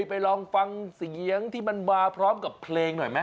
ไปลองฟังเสียงที่มันมาพร้อมกับเพลงหน่อยไหม